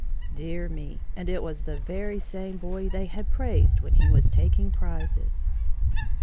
Dear me and it was the very same boy they had praised when he was taking prizes!